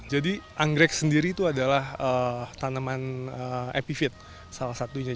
jadi anggrek sendiri itu adalah tanaman epifit salah satunya